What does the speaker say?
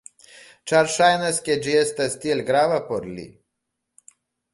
Ĉar ŝajnas ke ĝi estas tiel grava por li.